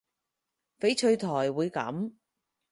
翡翠台會噉